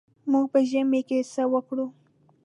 موږ په ژمي کې څه وکړو.